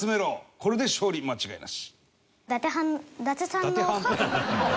これで勝利間違いなし！